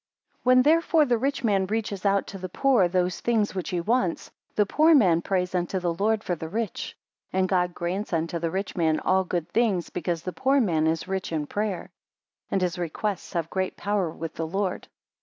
7 When therefore, the rich man reaches out to the poor those things which he wants, the poor man prays unto the Lord for the rich; and God grants unto the rich man all good things, because the poor man is rich in prayer; and his requests have great power with the Lord.